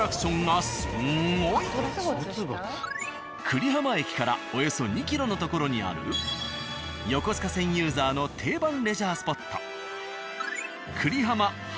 久里浜駅からおよそ２ｋｍの所にある横須賀線ユーザーの定番レジャースポット。